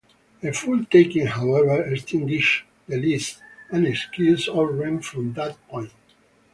A "full taking", however, extinguishes the lease, and excuses all rent from that point.